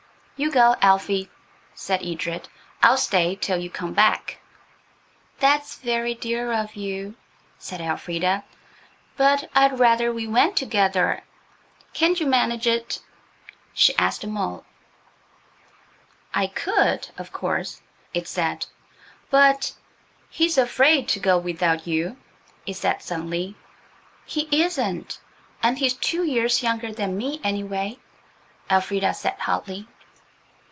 "You go, Elfie," said Edred. "I'll stay till you come back." "That's very dear of you," said Elfrida, "but I'd rather we went together. Can't you manage it?" she asked the mole. "I could, of course," it said; "but ... he's afraid to go without you," it said suddenly. "He isn't, and he's two years younger than me, anyway," Elfrida said hotly.